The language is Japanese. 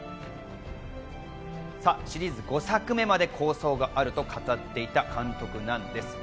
シリーズ５作目まで構想があると語っていた監督なんですが。